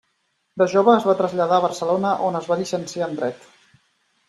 De jove es va traslladar a Barcelona on es va llicenciar en Dret.